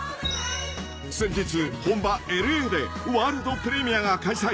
［先日本場ＬＡでワールドプレミアが開催］